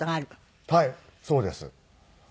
はいそうです。